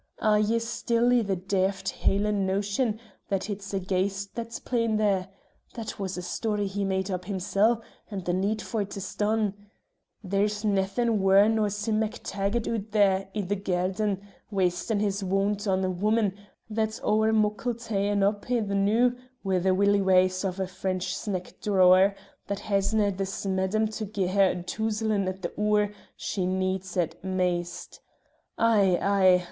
"Are ye still i' the daft Hielan' notion that it's a ghaist that's playin' there? That was a story he made up himsel', and the need for 't's done. There's naethin' waur nor Sim MacTaggart oot there i' the gairden, wastin' his wund on a wumman that's owre muckle ta'en up i' the noo wi' the whillywhaes o' a French sneckdrawer that haesnae the smeddum to gi'e her a toozlin' at the 'oor she needs it maist. Ay, ay!